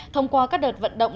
thông qua các đợt vận động